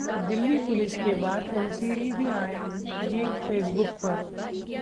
Delhi police के बाद MCD भी आएंगी फेसबुक पर